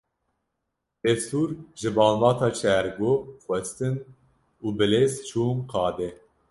Destûr ji malbata Şêrgo xwestin û bi lez çûn qadê.